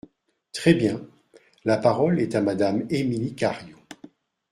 Très bien ! La parole est à Madame Émilie Cariou.